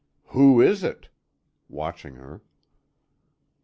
"Who is it?" watching her.